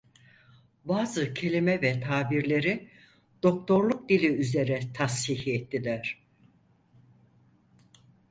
Bazı kelime ve tabirleri, doktorluk dili üzere tashih ettiler.